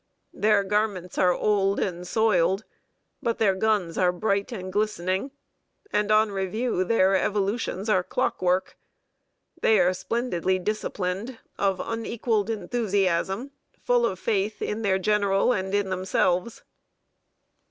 Their garments are old and soiled; but their guns are bright and glistening, and on review their evolutions are clockwork. They are splendidly disciplined, of unequaled enthusiasm, full of faith in their general and in themselves.